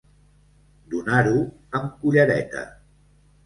Donar-ho amb cullereta.